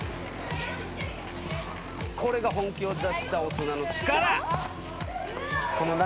これが本気を出した大人の力！